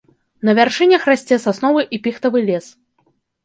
На вяршынях расце сасновы і піхтавы лес.